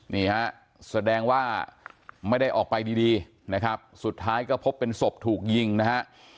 นี่ฮะแสดงว่าไม่ได้ออกไปดีนะครับสุดท้ายก็พบเป็นศพถูกยิงนะฮะ